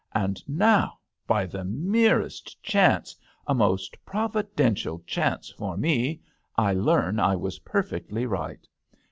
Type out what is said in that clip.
And now, by the merest chance — a most provi dential chance for me — I learn I was perfectly right.